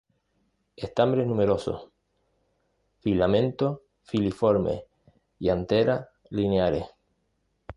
Estambres numerosos; filamentos filiformes y anteras lineares.